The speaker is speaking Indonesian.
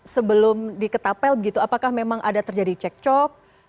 sebelum diketapel begitu apakah memang ada terjadi cek cok